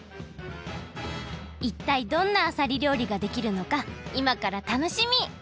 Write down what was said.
いったいどんなあさりりょうりができるのかいまから楽しみ！